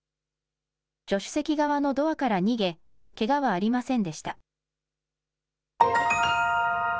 助手席側のドアから逃げけがはありませんでした。